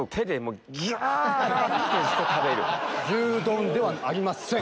ギュ丼ではありません。